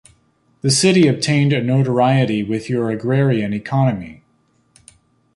The city obtained a notoriety with your agrarian economy.